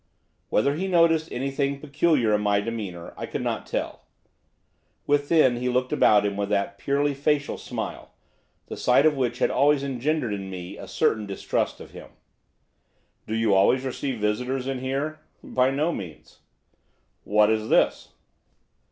Whether he noticed anything peculiar in my demeanour, I could not tell. Within he looked about him with that purely facial smile, the sight of which had always engendered in me a certain distrust of him. 'Do you always receive visitors in here?' 'By no means.' 'What is this?